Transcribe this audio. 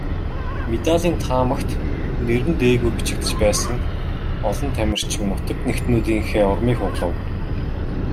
Медалийн таамагт нэр нь дээгүүр бичигдэж байсан олон тамирчин нутаг нэгтнүүдийнхээ урмыг хугалав.